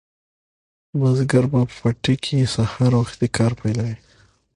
بزګر په پټي کې سهار وختي کار پیلوي.